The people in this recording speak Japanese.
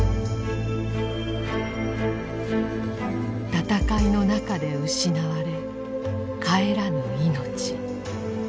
戦いの中で失われ帰らぬ命。